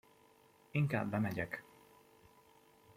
Inkább bemegyek!